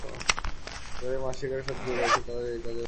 যারা এই মাছ শিকারের সাথে জড়িত আছে তাদেরও একাজে এগিয়ে আসতে হবে।